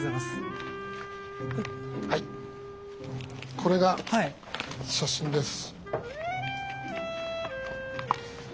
これが写真です。